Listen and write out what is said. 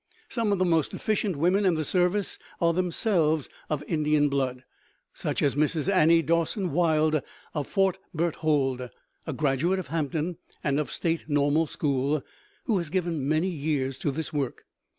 Some of the most efficient women in the service are themselves of Indian blood, such as Mrs. Annie Dawson Wilde of Fort Berthold, a graduate of Hampton and of a state normal school, who has given many years to this work.